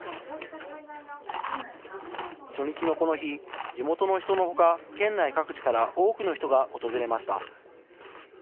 初日のこの日、地元の人のほか、県内各地から多くの人が訪れました。